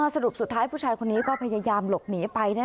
สรุปสุดท้ายผู้ชายคนนี้ก็พยายามหลบหนีไป